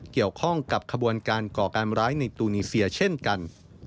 เกี่ยวข้องกับขบวนการก่อการร้ายในตูนีเซียเช่นกัน